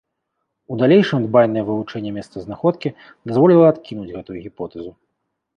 У далейшым дбайнае вывучэнне месца знаходкі дазволіла адкінуць гэтую гіпотэзу.